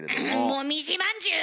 もみじまんじゅう！